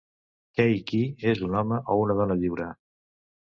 Què i qui és un home o una dona lliure?